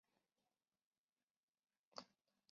我们对违反管控要求构成犯罪不搞‘一刀切’